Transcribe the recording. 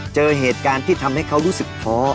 เจอเหตุการณ์ที่ทำให้เขารู้สึกท้อ